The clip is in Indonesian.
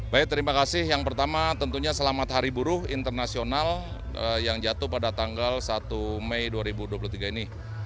baik terima kasih yang pertama tentunya selamat hari buruh internasional yang jatuh pada tanggal satu mei dua ribu dua puluh tiga ini